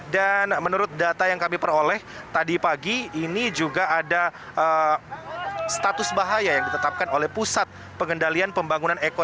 dan menurut data yang kami peroleh tadi pagi ini juga ada status bahaya yang ditetapkan oleh pusat pengendalian pembangunan ekonomi